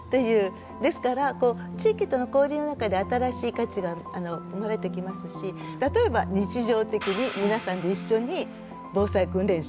ですから地域との交流の中で新しい価値が生まれてきますし例えば日常的に皆さんで一緒に防災訓練しようと。